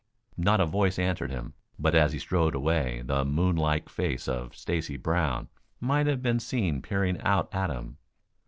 Not a voice answered him, but as he strode away the moon like face of Stacy Brown might have been seen peering out at him.